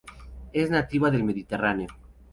Es nativa del mediterráneo.